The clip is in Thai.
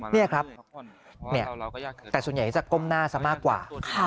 นี่ครับแต่ส่วนใหญ่จะก้มหน้าซะมากกว่า